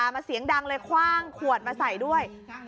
มาเสียงดังเลยคว่างขวดมาใส่ด้วย